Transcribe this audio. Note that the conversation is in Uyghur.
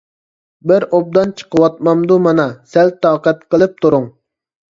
بىر ئوبدان چىقىۋاتمامدۇ مانا سەل تاقەت قىلىپ تۇرۇڭ.